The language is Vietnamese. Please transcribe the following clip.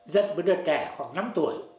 dân mới được trẻ khoảng năm tuổi